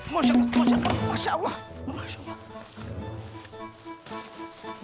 masa allah masya allah masya allah